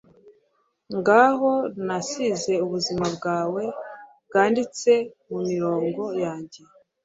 ngaho, nasize ubuzima bwanjye bwanditse mumirongo yanjye! ..